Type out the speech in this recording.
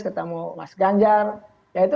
ketemu mas ganjar ya itu